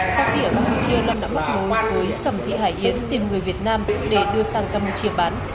sau khi ở campuchia lâm đã bắt mối với sầm thị hải yến tìm người việt nam để đưa sang campuchia bán